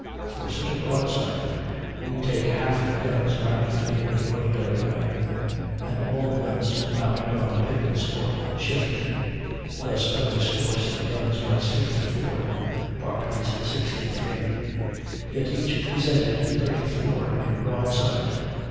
For such a broadside we take half the guns mounted in the ordinary way; and all guns mounted on pivots or shifting. Thus Perry's force in guns was 54 to Barclay's 63; yet each presented 34 in broadside.